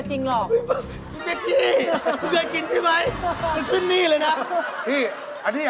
เออแล้วไม่มีใบด้วย